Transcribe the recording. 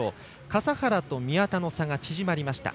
笠原と宮田の差が縮まりました。